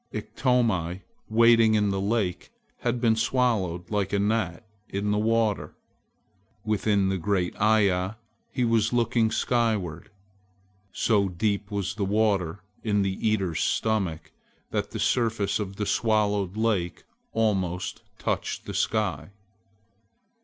Iktomi wading in the lake had been swallowed like a gnat in the water. Within the great Iya he was looking skyward. So deep was the water in the Eater's stomach that the surface of the swallowed lake almost touched the sky.